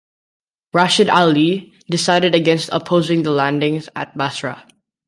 Rashid Ali decided against opposing the landings at Basra.